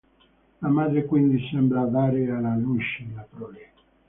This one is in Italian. La madre quindi sembra "dare alla luce" la prole.